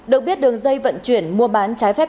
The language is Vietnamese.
được biết đường dây vận chuyển mua bán trái phép